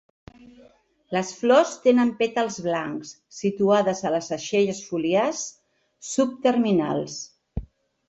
Les flors tenen pètals blancs, situades a les aixelles foliars subterminals.